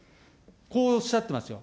こうおっしゃってますよ。